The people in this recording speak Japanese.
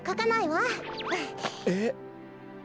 えっ？